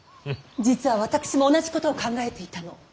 実は私も同じことを考えていたの。